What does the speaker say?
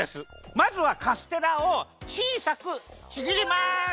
まずはカステラをちいさくちぎります！